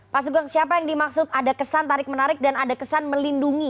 pak sugeng siapa yang dimaksud ada kesan tarik menarik dan ada kesan melindungi